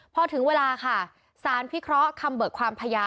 พอถึงเวลาค่ะสารพิเคราะห์คำเบิกความพญา